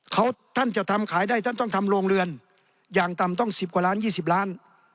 เขาท่านจะทำขายได้ท่านต้องทำโรงเรือนอย่างต่ำต้อง๑๐กว่าล้านยี่สิบล้าน